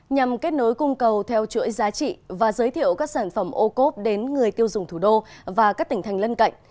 nhằm kết nối cung cầu theo chuỗi giá trị và giới thiệu các sản phẩm ô cốp đến người tiêu dùng thủ đô và các tỉnh thành lân cạnh